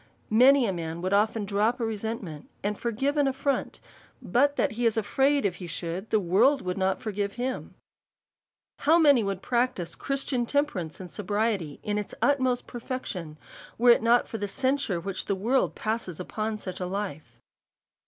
Many a man would often drop a resentment^ and forgive an affront, but that he is afraid, if he should, the world would not forgive him. How many would practise Christian temperance and sobriety in its utmost perfection, were it not for the censure which the world passes upon such a life.